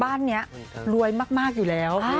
บ้านนี้รวยมากอยู่แล้ว